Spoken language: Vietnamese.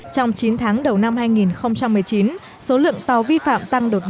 trong chín tháng đầu năm hai nghìn một mươi bảy